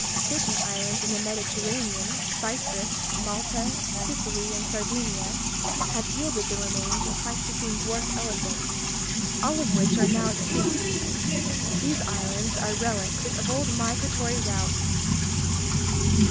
Certain islands in the Mediterranean, Cyprus, Malta, Sicily, and Sardinia, have yielded the remains of Pleistocene dwarf elephants, all of which are now extinct. These islands are relics of old migratory routes.